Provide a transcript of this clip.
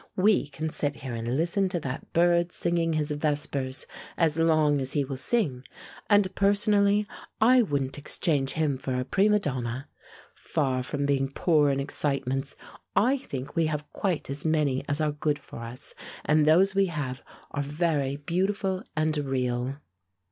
We can sit here and listen to that bird singing his vespers, as long as he will sing and personally I wouldn't exchange him for a prima donna. Far from being poor in excitements, I think we have quite as many as are good for us, and those we have are very beautiful and real."